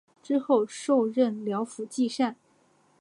之后授任辽府纪善。